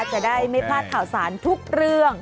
จะได้ไม่พลาดข่าวสารทุกเรื่อง